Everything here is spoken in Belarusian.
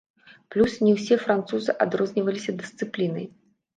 Плюс, не ўсе французы адрозніваліся дысцыплінай.